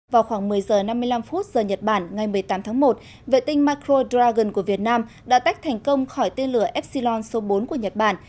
vào khoảng một mươi h năm mươi năm phút giờ nhật bản ngày một mươi tám tháng một vệ tinh macro dragon của việt nam đã tách thành công khỏi tên lửa epsilon số bốn của nhật bản